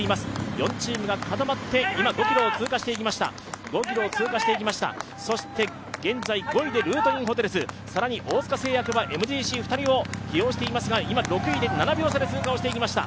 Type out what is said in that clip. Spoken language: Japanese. ４チームが固まって、今、５ｋｍ通過していきました、現在５位でルートインホテルズ、更に大塚製薬はＭＧＣ、２人を起用していますが、今、６位で７秒差で通過をしていきました。